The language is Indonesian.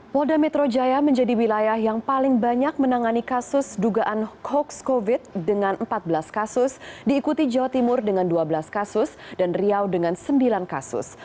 polda metro jaya menjadi wilayah yang paling banyak menangani kasus dugaan hoax covid sembilan belas dengan empat belas kasus diikuti jawa timur dengan dua belas kasus dan riau dengan sembilan kasus